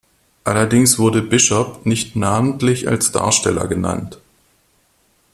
Allerdings wurde Bishop nicht namentlich als Darsteller genannt.